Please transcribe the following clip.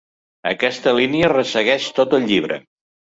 Aquesta línia ressegueix tot el llibre.